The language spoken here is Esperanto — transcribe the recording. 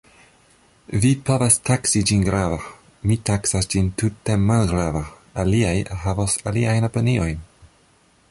Vi povas taksi ĝin grava, mi taksas ĝin tute malgrava, aliaj havos aliajn opiniojn.